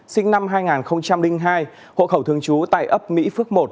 sinh năm hai nghìn hai hộ khẩu thường trú tại ấp mỹ phước một